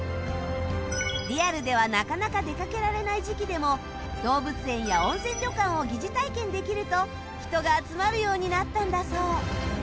リアルではなかなか出かけられない時期でも動物園や温泉旅館を疑似体験できると人が集まるようになったんだそう